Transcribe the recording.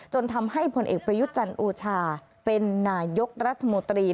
จนทำให้ผลเอกประยุทธ์จันทร์โอชาเป็นนายกรัฐมนตรี